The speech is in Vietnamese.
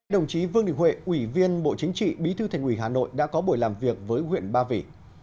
đồng chí vương đình huệ ủy viên bộ chính trị bí thư thành ủy hà nội đã có buổi làm việc với huyện ba vì